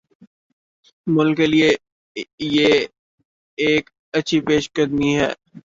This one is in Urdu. ملک کیلئے یہ ایک اچھی پیش قدمی ہے۔